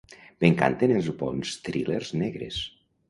M'encanten els bons thrillers negres